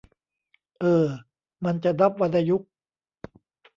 เออ มันจะนับวรรณยุกต์